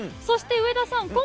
そして上田さん